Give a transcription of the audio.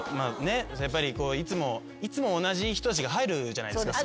やっぱりいつも同じ人たちが入るじゃないですか。